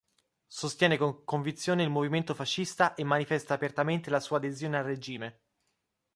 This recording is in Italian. Sostiene con convinzione il movimento fascista e manifesta apertamente la sua adesione al regime.